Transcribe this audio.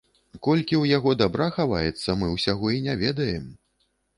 Колькі ў яго дабра хаваецца, мы ўсяго і не ведаем.